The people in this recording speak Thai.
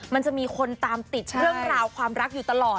มันจะมีคนตามติดเรื่องราวความรักอยู่ตลอด